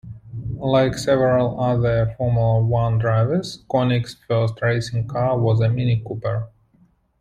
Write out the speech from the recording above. Like several other Formula One drivers, Koinigg's first racing car was a Mini Cooper.